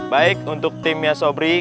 baik untuk tim yasobri